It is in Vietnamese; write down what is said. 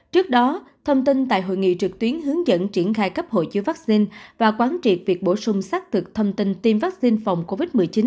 trước đó thông tin tại hội nghị trực tuyến hướng dẫn triển khai cấp hộ chiếu vaccine và quán triệt việc bổ sung xác thực thông tin tiêm vaccine phòng covid một mươi chín